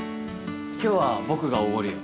今日は僕がおごるよ。